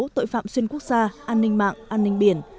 tội phạm xuyên quốc gia an ninh mạng an ninh biển